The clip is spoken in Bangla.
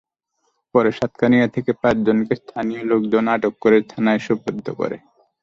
পরে সাতকানিয়া থেকে পাঁচজনকে স্থানীয় লোকজন আটক করে থানায় সোপর্দ করে।